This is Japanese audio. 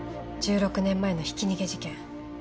１６年前のひき逃げ事件。